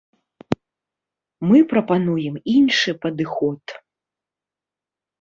Мы прапануем іншы падыход.